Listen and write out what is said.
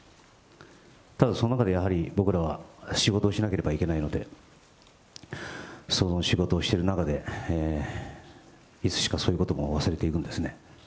ただ、その中でやはり、僕らは仕事をしなければいけないので、その仕事をしている中で、いつしかそういうことも忘れていくんですね。